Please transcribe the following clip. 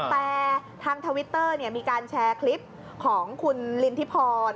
แต่ทางทวิตเตอร์มีการแชร์คลิปของคุณลินทิพร